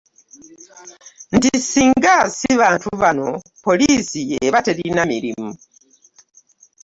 Nti singa si bantu bano, poliisi eba terina mirimu.